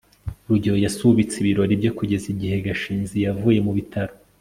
rugeyo yasubitse ibirori bye kugeza igihe gashinzi yavuye mu bitaro